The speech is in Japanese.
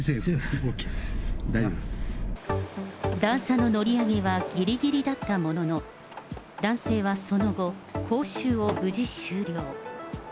段差の乗り上げはぎりぎりだったものの、男性はその後、講習を無事終了。